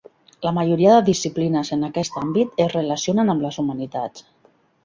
La majoria de disciplines en aquest àmbit es relacionen amb les humanitats.